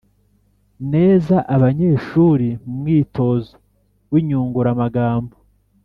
neza abanyeshuri mu mwitozo w’inyunguramagambo.